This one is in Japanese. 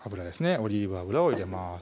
オリーブ油を入れます